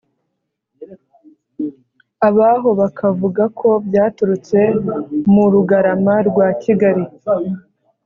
abaho bakavuga ko byaturutse mu rugarama, rwa kigali